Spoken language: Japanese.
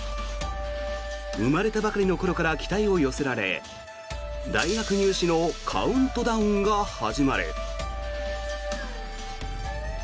生まれたばかりの頃から期待を寄せられ大学入試のカウントダウンが始まる。